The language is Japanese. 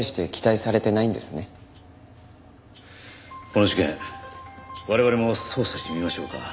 この事件我々も捜査してみましょうか。